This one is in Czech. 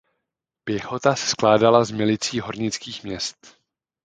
Pěchota se skládala z milicí hornických měst.